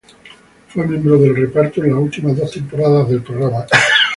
Fue miembro del reparto en las últimas dos temporadas del programa.